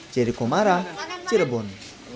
jadi kumara cirebon